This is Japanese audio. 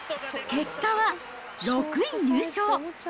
結果は６位入賞。